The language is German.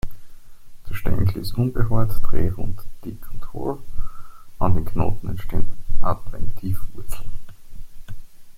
Der Stängel ist unbehaart, drehrund, dick und hohl, an den Knoten entstehen Adventivwurzeln.